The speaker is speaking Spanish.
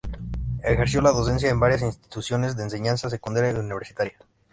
Ejerció la docencia en varias instituciones de enseñanza secundaria y universitaria.